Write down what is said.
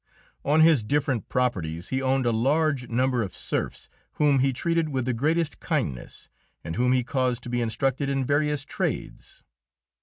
On his different properties he owned a large number of serfs, whom he treated with the greatest kindness, and whom he caused to be instructed in various trades.